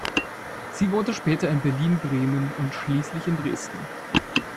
Sie wohnte später in Berlin, Bremen und schließlich in Dresden.